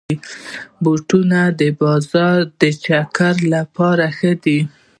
بوټونه د بازار د چکر لپاره ښه دي.